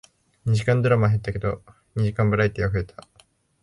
二時間ドラマは減ったけど、二時間バラエティーは増えた